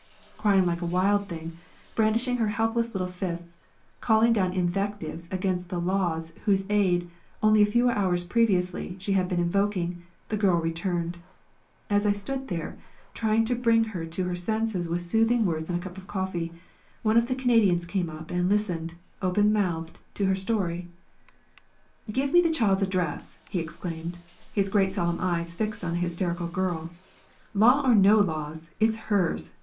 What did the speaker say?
Crying like a wild thing, brandishing her helpless little fists, calling down invectives against the laws whose aid, only a few hours previously, she had been invoking, the girl returned; as I stood there, trying to bring her to her senses with soothing words and a cup of coffee, one of the Canadians came up and listened, open mouthed, to her story. "Give me the child's address," he exclaimed, his great solemn eyes fixed on the hysterical girl. "Law or no laws, it's hers.